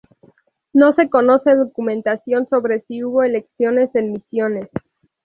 No se conoce documentación sobre si hubo elecciones en Misiones.